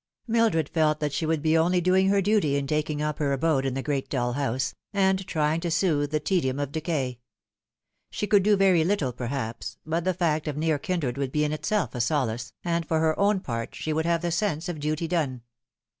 Mildred felt that she would be only doing her duty in taking up her abode in the great dull house, and trying to soothe the tedium of decay. She could do very little, perhaps, but the fact of near kindred would be in itself a solace, and for her own part slie would have the sense of duty done.